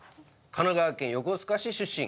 神奈川県横須賀市出身。